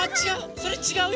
それちがうよ！